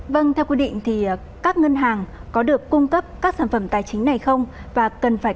vâng theo quy định thì các ngân hàng có được cung cấp các sản phẩm tài chính này không và cần phải